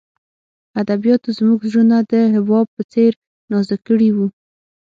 ادبیاتو زموږ زړونه د حباب په څېر نازک کړي وو